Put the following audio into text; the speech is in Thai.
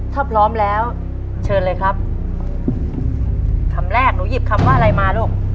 ถ้าพร้อมแล้วเชิญเลยครับคำแรกหนูหยิบคำว่าอะไรมาลูก